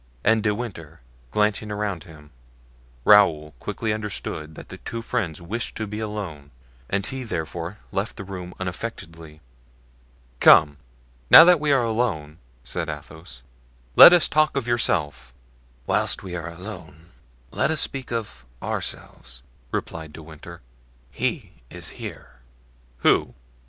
And De Winter glancing around him, Raoul quickly understood that the two friends wished to be alone and he therefore left the room unaffectedly. "Come, now that we are alone," said Athos, "let us talk of yourself." "Whilst we are alone let us speak of ourselves," replied De Winter. "He is here." "Who?"